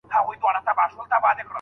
که زده کړې نو پوهه زیاتېږي.